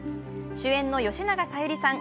主演の吉永小百合さん